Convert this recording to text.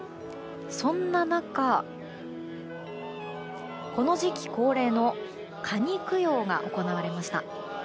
そんな中、この時期恒例のかに供養が行われました。